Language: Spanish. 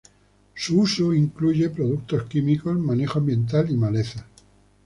Su uso incluye productos químicos, manejo ambiental y malezas.